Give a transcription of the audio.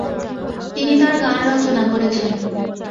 তিনি তার গান রচনা করেছেন।